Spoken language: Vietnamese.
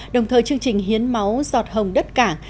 đồng thời chương trình hiến máu giọt hồng đất cảng